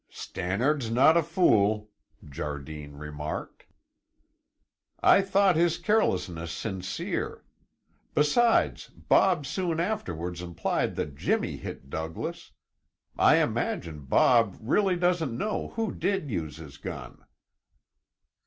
"Stannard's no' a fool," Jardine remarked. "I thought his carelessness sincere. Besides, Bob soon afterwards implied that Jimmy hit Douglas. I imagine Bob really doesn't know who did use his gun."